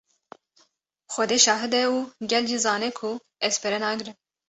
Xwedê şahîd e û gel jî zane ku ez pere nagrim.